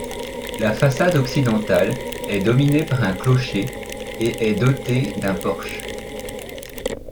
La façade occidentale est dominée par un clocher et est dotée d'un porche.